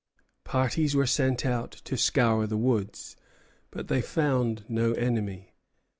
Parties were sent out to scour the woods, but they found no enemy.